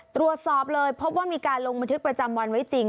ตรวจสอบเลยพบว่ามีการลงบันทึกประจำวันไว้จริง